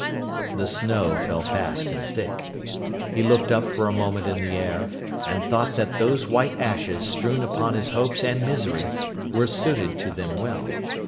The snow fell fast and thick. He looked up for a moment in the air, and thought that those white ashes strewn upon his hopes and misery, were suited to them well.